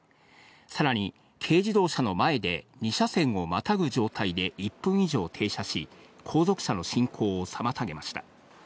さらに、軽自動車の前で２車線をまたぐ状態で１分以上停車し、後続車の進行を妨げました。